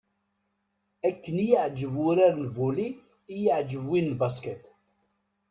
Akken i y-iεǧeb wurar n volley i y-iεǧeb win n basket.